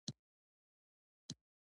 د اقتصاد ډېره برخه پر استثمار ولاړه وه.